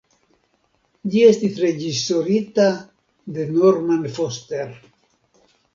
Ĝi estis reĝisorita de Norman Foster.